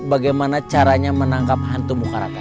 bagaimana caranya menangkap hantu muka rata